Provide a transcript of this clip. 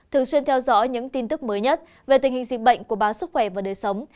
thường xuyên theo dõi những tin tức mới nhất về tình hình dịch bệnh của báo sức khỏe và đời sống